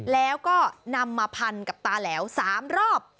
แล้วก็นำมาพันกับตาแหลว๓รอบ